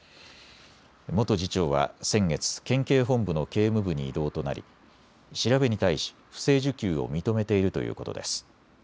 元次長は先月、県警本部の警務部に異動となり調べに対し、不正受給を認めているということです。